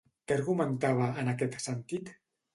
Què argumentava, en aquest sentit?